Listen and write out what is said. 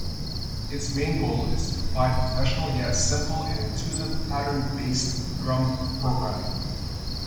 Its main goal is to provide professional yet simple and intuitive pattern-based drum programming.